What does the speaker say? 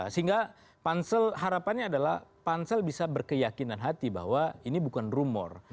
sehingga pansel harapannya adalah pansel bisa berkeyakinan hati bahwa ini bukan rumor